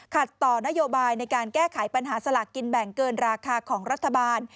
ต่อนโยบายในการแก้ไขปัญหาสลากกินแบ่งเกินราคาของรัฐบาล